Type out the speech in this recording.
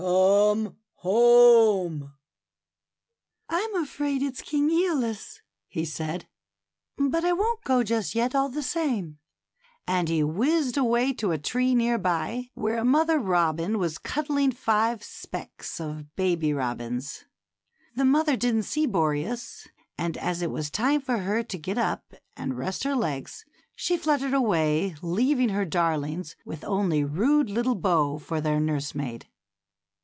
come home !" A WINDY STORY. 93 afraid it's King ^olus," he said; ^^hut I won't go just yet^ all the same ;" and he whizzed away to a tree near by, where a mother robin was cuddling five specks of baby robins. The mother didn't see Boreas, and as it was time for her to get up and rest her legs, she fluttered away, leaving her darlings with only rude little Bo for their nursemaid.